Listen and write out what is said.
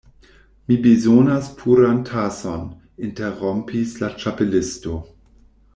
"Mi bezonas puran tason," interrompis la Ĉapelisto.